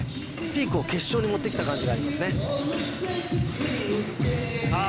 ピークを決勝に持ってきた感じがありますねさあ